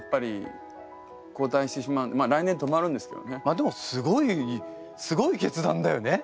でもすごいすごい決断だよね。